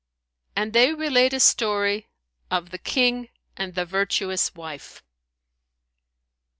[FN#174] And they relate a story of THE KING AND THE VIRTUOUS WIFE.